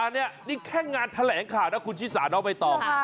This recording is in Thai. นี่แค่งานแถลงข่าวนะคุณชิสาน้องใบตอง